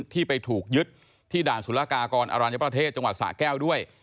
ที่ไปถูกยึดที่ด่านสุรกากรอรัญญประเทศจังหวัดสะแก้วด้วย